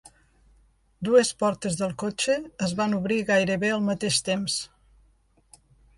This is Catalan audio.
Dues portes del cotxe es van obrir gairebé al mateix temps.